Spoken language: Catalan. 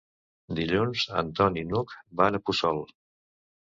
Dilluns en Ton i n'Hug van a Puçol.